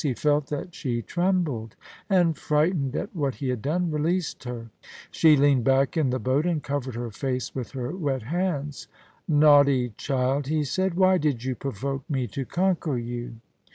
He felt that she trembled, and frightened at what he had done, released her. She leaned back in the boat, and covered her face with her wet hands. * Naughty child !' he said, * why did you provoke me to conquer you